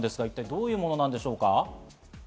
どういうものなんでしょうか？